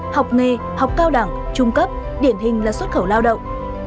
học nghề học cao đẳng trung cấp điển hình là xuất khẩu lao động